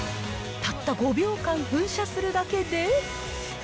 たった５秒間噴射するだけで。